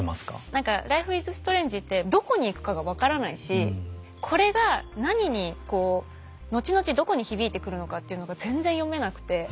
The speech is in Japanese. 何か「ライフイズストレンジ」ってどこに行くかが分からないしこれが何にこう後々どこに響いてくるのかっていうのが全然読めなくて。